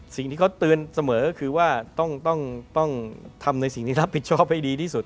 สิ่งที่เขาเตือนเสมอก็คือว่าต้องทำในสิ่งที่รับผิดชอบให้ดีที่สุด